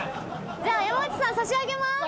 じゃあ山内さん差し上げます。